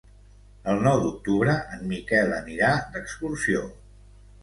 El nou d'octubre en Miquel anirà d'excursió.